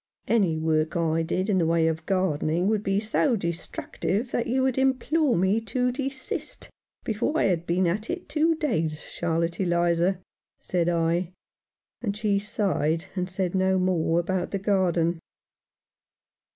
" Any work I did in the way of gardening would be so destructive that you would implore me to desist before I had been at it two days, Charlotte Eliza," said I ; and she sighed, and said no more about the garden.